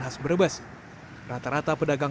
khas brebes rata rata pedagang